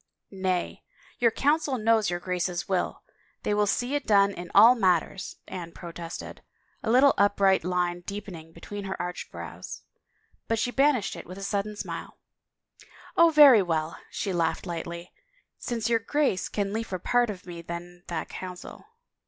" Nay, your Council knows your Grace's will ; they will 200 THE LAW'S DELAYS see it done in all matters," Anne protested, a little upright line deepening between her arched brows. But she banished it with a sudden smile. " Oh, very well," she laughed lightly, " since your Grace can liefer part from me than that Council."